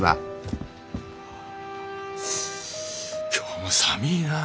今日も寒いな。